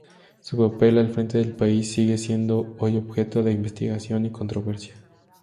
Su papel al frente del país sigue siendo hoy objeto de investigación y controversia.